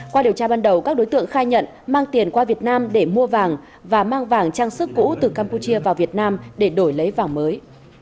qua điều tra ban đầu các đối tượng khai nhận mang tiền qua việt nam để mua vàng và mang vàng trang sức cũ từ campuchia vào việt nam để đổi lấy vàng mới